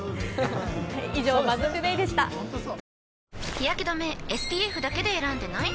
日やけ止めＳＰＦだけで選んでない？